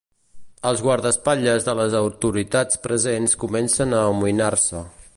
Els guardaespatlles de les autoritats presents comencen a amoïnar-se.